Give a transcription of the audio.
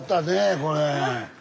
これ。